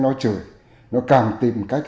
nó trời nó càng tìm cách